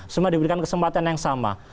semua diberikan kesempatan yang sama